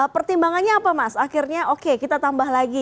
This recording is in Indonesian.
pertimbangannya apa mas akhirnya oke kita tambah lagi